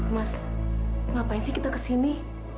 mas ngapain sih kita kesini